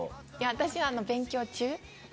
私は勉強中です